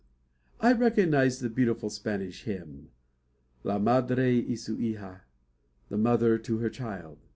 I recognise the beautiful Spanish hymn, "La madre a su hija" (The mother to her child).